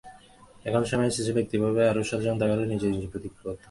এখন সময় এসেছে ব্যক্তিগতভাবে আরেকটু সচেতন থাকার, নিজে নিজে প্রতিজ্ঞাবদ্ধ হওয়ার।